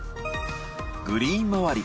グリーン周り